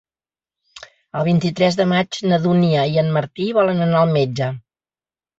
El vint-i-tres de maig na Dúnia i en Martí volen anar al metge.